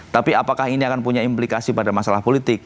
tapi apakah ini akan punya implikasi pada masalah politik